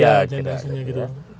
ya janda asuhnya gitu